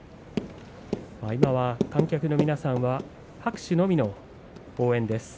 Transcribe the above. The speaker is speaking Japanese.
今は観客の皆さんは拍手のみの応援です。